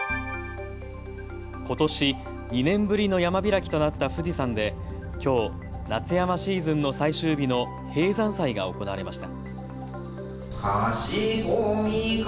ことし２年ぶりの山開きとなった富士山できょう夏山シーズンの最終日の閉山祭が行われました。